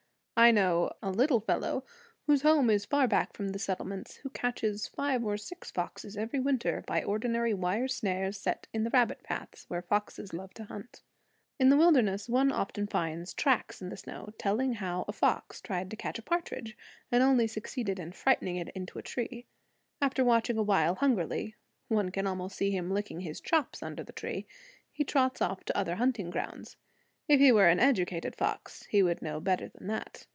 I know a little fellow, whose home is far back from the settlements, who catches five or six foxes every winter by ordinary wire snares set in the rabbit paths, where foxes love to hunt. In the wilderness one often finds tracks in the snow, telling how a fox tried to catch a partridge and only succeeded in frightening it into a tree. After watching a while hungrily, one can almost see him licking his chops under the tree, he trots off to other hunting grounds. If he were an educated fox he would know better than that.